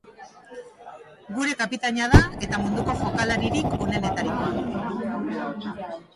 Gure kapitaina da eta munduko jokalaririk onenetarikoa.